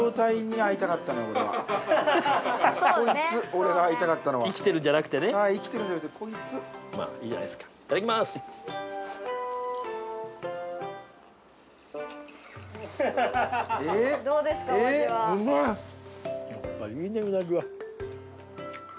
やっぱいいねうなぎは。